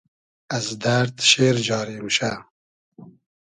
از دئرد شېر جاری موشۂ